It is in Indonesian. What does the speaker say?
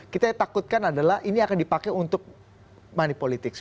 kita takutkan adalah ini akan dipakai untuk money politics